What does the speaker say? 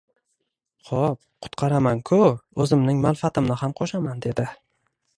Ho‘p qutqaraman-ku o‘zimning manfaatimni ham qo‘shaman dedi.